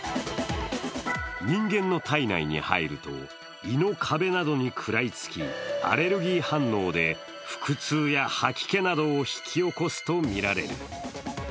人間の体内に入ると、胃の壁などに食らいつき、アレルギー反応で腹痛や吐き気などを引き起こすとみられる。